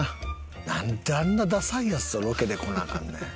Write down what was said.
なんであんなダサいヤツとロケで来なアカンねん。